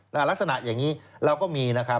ลักษณะอย่างนี้เราก็มีนะครับ